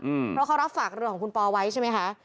เพราะเขารับฝากเรือของคุณปอไว้ใช่ไหมคะ